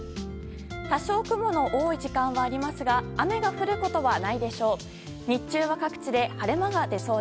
多少雲の多い時間はありますが雨が降ることはないでしょう。